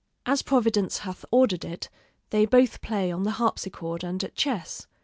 As Providence hath ordered it, they both play on the harpsichord and at chess.